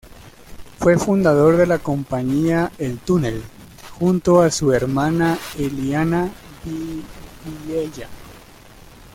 Fue fundador de la compañía "El Túnel", junto a su hermana Eliana Vidiella.